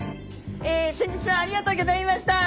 先日はありがとうギョざいました！